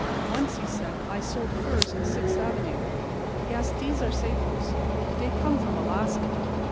"Once," he said, "I sold furs in Sixth avenue. Yes, dese are saples. Dey come from Alaska.